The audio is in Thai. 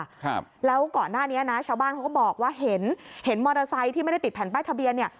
ครับแล้วก่อนหน้านี้นะชาวบ้านเขาก็บอกว่าเห็นเห็นมอเตอร์ไซค์ที่ไม่ได้ติดแผ่นป้ายทะเบียนเนี่ย